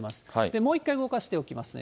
もう一回動かしておきますね。